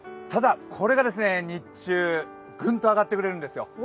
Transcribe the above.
ただこれが日中、グンと上がってくれるんですよ。